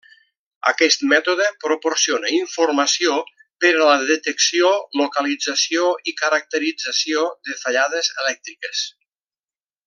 Aquest mètode proporciona informació per a la detecció, localització i caracterització de fallades elèctriques.